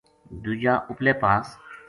دُوجو اُپلے پاس